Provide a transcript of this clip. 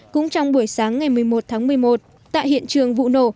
cũng trong buổi sáng ngày một mươi một tháng một mươi một tại hiện trường vụ nổ